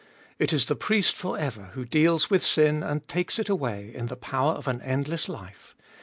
It is the Priest for ever who deals with sin and takes it away in the power of an endless life.